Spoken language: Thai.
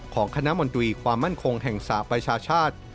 ของคณะมนตรีความมั่นคงแห่งสหประชาชาติ